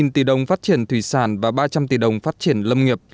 bốn mươi ba tỷ đồng phát triển thủy sản và ba trăm linh tỷ đồng phát triển lâm nghiệp